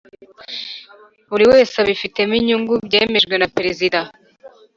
buriwese abifitemo inyungu byemejwe na perezida